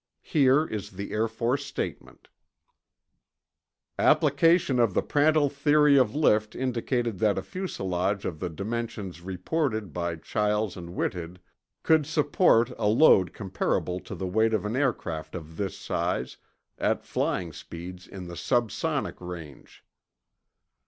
Here is the Air Force statement: "Application of the Prandtl theory of lift indicated that a fuselage of the dimensions reported by Chiles and Whitted could support a load comparable to the weight of an aircraft of this size, at flying speeds in the sub sonic range."